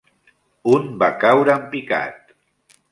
Un va caure en picat